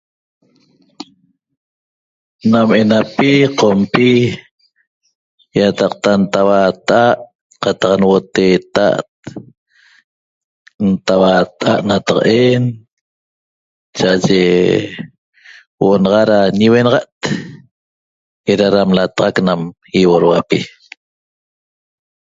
Nam enapi qompi iataqta ntauata't qataq nhuoteeta't ntauatac nataqa'en cha'aye huo'o naxa ra ñiuenaxa't eram ra lataxac na iuorhuapi